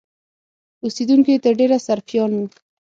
اوسېدونکي یې تر ډېره سرفیان وو.